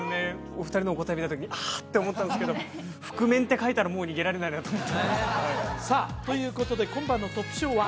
お二人の答え見た時に「ああ」って思ったんですけど覆面って書いたらもう逃げられないなと思ってさあということで今晩のトップ賞は？